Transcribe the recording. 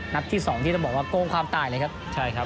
นับที่๒ที่บอกว่ากวงความตายเลยครับ